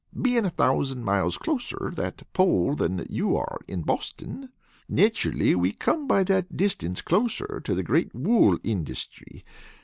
Being a thousand miles closer that pole than you are in Boston, naturally we come by that distance closer to the great wool industry.